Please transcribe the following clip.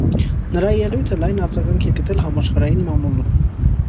Նրա ելույթը լայն արձագանք է գտել համաշխարհային մամուլում։